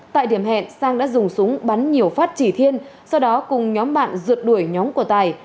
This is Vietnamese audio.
tại điểm hẹn sang đã dùng súng bắn nhiều phát chỉ thiên sau đó cùng nhóm bạn rượt đuổi nhóm của tài